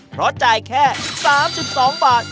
เพราะจ่ายแค่๓๒บาท